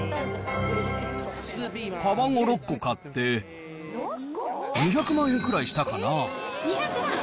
かばんを６個買って、２００万円くらいしたかな。